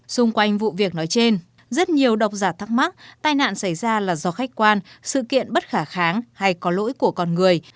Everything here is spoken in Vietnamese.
xung quanh vụ việc nói trên rất nhiều độc giả thắc mắc tai nạn xảy ra là do khách quan sự kiện bất khả kháng hay có lỗi của con người